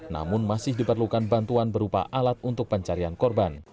namun masih diperlukan bantuan berupa alat untuk pencarian korban